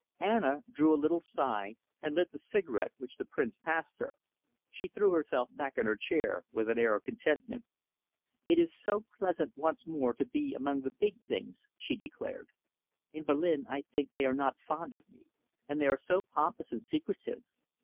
Anna drew a little sigh and lit the cigarette which the Prince passed her. She threw herself back in her chair with an air of contentment. "It is so pleasant once more to be among the big things," she declared. "In Berlin I think they are not fond of me, and they are so pompous and secretive.